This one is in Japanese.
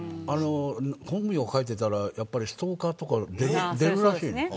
本名を書いていたらストーカーとか出るらしいね。